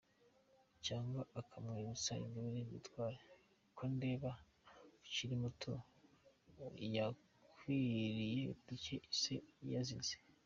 cyangwa akamwibutsa Ingabire Victoire?ko ndeba akiri muto yakwiririye duke ise yasizeee.